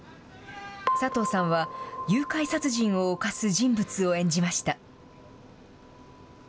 佐藤さんは誘拐殺人を犯す人物を演じました。